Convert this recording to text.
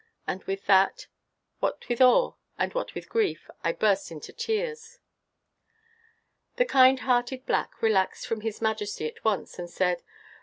and with that, what with awe, and what with grief, I burst into tears. The kind hearted black relaxed from his majesty at once, and said.